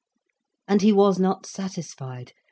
And he was not satisfied.